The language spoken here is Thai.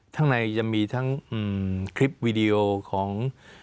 ข้างในจะมีทั้งคลิปวีดีโอของ